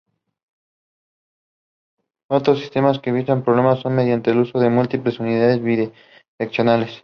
Otros sistemas que evitan problemas son mediante el uso de múltiples unidades bidireccionales.